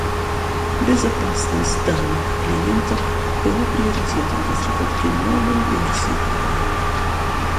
Безопасность данных клиентов была приоритетом в разработке новой версии программы.